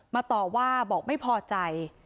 ต่อว่าบอกไม่พอใจ